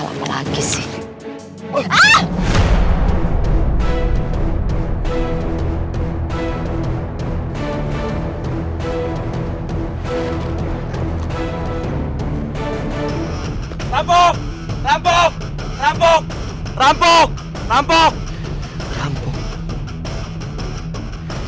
rampok rampok rampok rampok rampok rampok